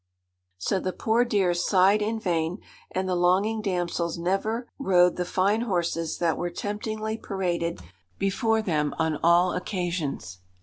So the poor dears sighed in vain, and the longing damsels never rode the fine horses that were temptingly paraded before them on all occasions.